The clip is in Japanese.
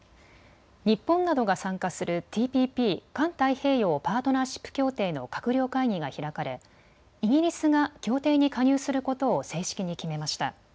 日本などが参加するＴＰＰ・環太平洋パートナーシップ協定の閣僚会議が開かれイギリスが協定に加入することを正式に決めました。